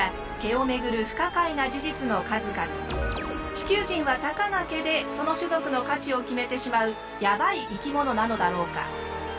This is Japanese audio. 地球人はたかが毛でその種族の価値を決めてしまうやばい生き物なのだろうか？